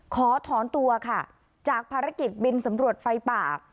ขอถอนตัวค่ะจากภารกิจบินสำรวจไฟป่า